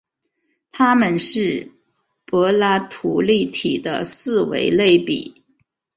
它们是柏拉图立体的四维类比。